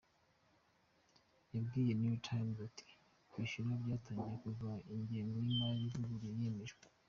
Yabwiye New Times ati “Kwishyura byatangiye kuva ingengo y’imari ivuguruye yemejwe.